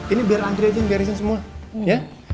ini biar andri aja yang garisin semua ya